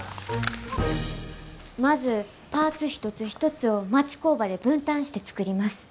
まずパーツ一つ一つを町工場で分担して作ります。